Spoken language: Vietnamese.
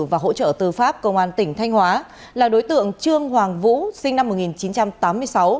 và hỗ trợ tư pháp công an tỉnh thanh hóa là đối tượng trương hoàng vũ sinh năm một nghìn chín trăm tám mươi sáu